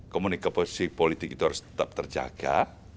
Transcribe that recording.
komunikasi politik itu harus tetap terjaga